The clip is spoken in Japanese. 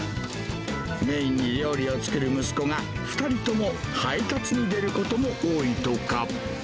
メインに料理を作る息子が、２人とも配達に出ることも多いとか。